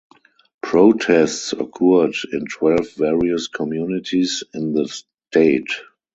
Protests occurred in twelve various communities in the state.